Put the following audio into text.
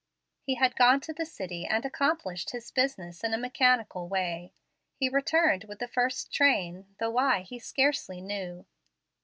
He had gone to the city and accomplished his business in a mechanical way. He returned with the first train, though why he scarcely knew.